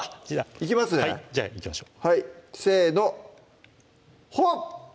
いきますねはいじゃあいきましょうはいせのほっ！